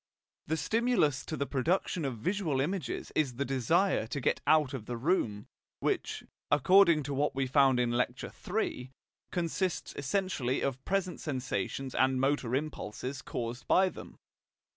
The stimulus to the production of visual images is the desire to get out of the room, which, according to what we found in Lecture III, consists essentially of present sensations and motor impulses caused by them.